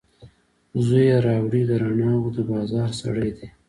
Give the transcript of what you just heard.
زوی یې راوړي، د رڼاوو دبازار سړی دی